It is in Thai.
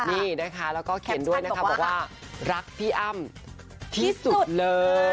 นี่นะคะแล้วก็เขียนด้วยนะคะบอกว่ารักพี่อ้ำที่สุดเลย